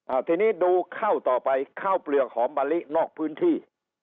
ทีนี้ดูข้าวต่อไปข้าวเปลือกหอมมะลินอกพื้นที่